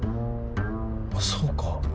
あっそうか。